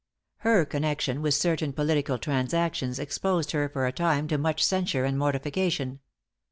Her connection with certain political transactions exposed her for a time to much censure and mortification.